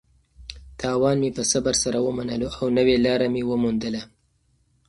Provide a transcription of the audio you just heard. تاوان مې په صبر سره ومنلو او نوې لاره مې وموندله.